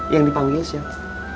yang dipanggil siapa